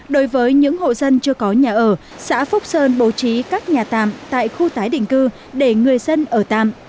đối với những hộ dân chưa có nhà ở xã phúc sơn bố trí các nhà tạm tại khu tái định cư để người dân ở tạm